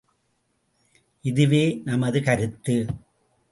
இதுவே நமது கருத்து.